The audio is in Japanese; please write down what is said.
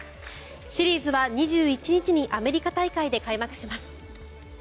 シリーズは２１日にアメリカ大会で開幕します。